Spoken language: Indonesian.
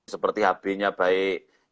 seperti hp nya baik